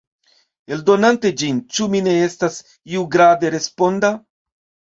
Eldonante ĝin, ĉu mi ne estas iugrade responda?